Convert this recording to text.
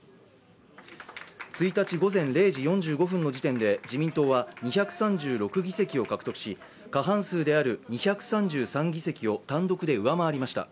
１日午前０時４５分の時点で自民党は２３６議席を獲得し過半数である２３３議席を単独で上回りました。